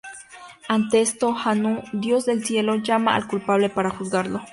Ante esto, Anu, dios del cielo, llama al culpable para juzgarlo.